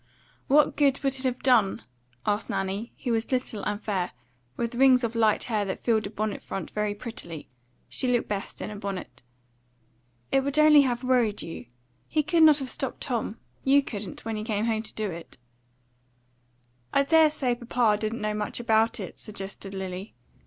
"What good would it have done?" asked Nanny, who was little and fair, with rings of light hair that filled a bonnet front very prettily; she looked best in a bonnet. "It would only have worried you. He could not have stopped Tom; you couldn't, when you came home to do it." "I dare say papa didn't know much about it," suggested Lily.